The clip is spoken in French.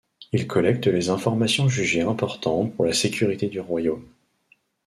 Il collecte les informations jugées importantes pour la sécurité du royaume.